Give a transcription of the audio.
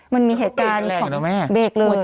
มันมีเหตุการณ์ของเบรกเลย